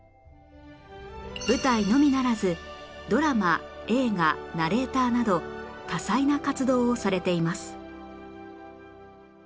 舞台のみならずドラマ映画ナレーターなど多彩な活動をされています